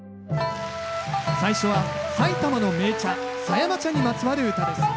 最初は埼玉の銘茶狭山茶にまつわる唄です。